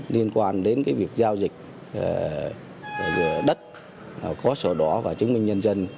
liên quan đến việc giao dịch đất có sổ đỏ và chứng minh nhân dân